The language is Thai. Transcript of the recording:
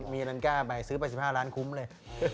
มีอิลังก้าไปซื้อ๘๕ล้านคุ้มเลย